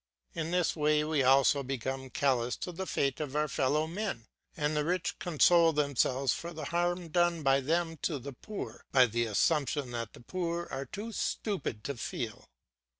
In this way we also become callous to the fate of our fellow men, and the rich console themselves for the harm done by them to the poor, by the assumption that the poor are too stupid to feel.